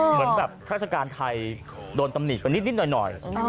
เหมือนแบบราชการไทยโดนตำหนิไปนิดหน่อย